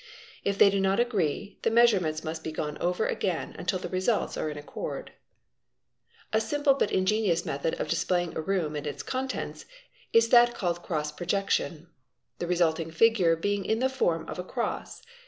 If they do not agree, the measurements must be gone over again until the | results are in accord. | A simple but ingenious method of displaying a room and its contents — is that called "' cross projection"; the resulting figure being in the form of — across.